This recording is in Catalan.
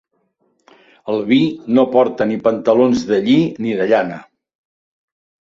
El vi no porta ni pantalons de lli ni de llana.